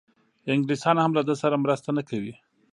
انګلیسیان هم له ده سره مرسته نه کوي.